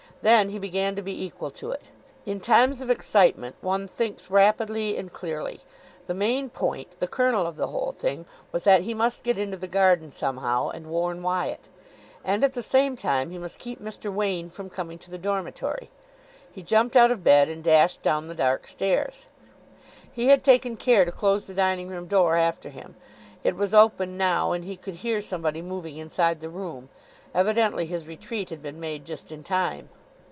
Then he began to be equal to it. In times of excitement one thinks rapidly and clearly. The main point, the kernel of the whole thing, was that he must get into the garden somehow, and warn Wyatt. And at the same time, he must keep Mr. Wain from coming to the dormitory. He jumped out of bed, and dashed down the dark stairs. He had taken care to close the dining room door after him. It was open now, and he could hear somebody moving inside the room. Evidently his retreat had been made just in time.